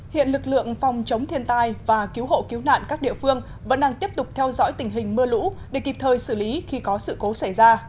hiện lực lượng phòng chống thiên tai và cứu hộ cứu nạn các địa phương vẫn đang tiếp tục theo dõi tình hình mưa lũ để kịp thời xử lý khi có sự cố xảy ra